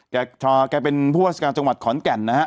แกเป็นผู้ว่าหรัฐการณ์ท่วงจังหวัดขอนแก่นนะฮะ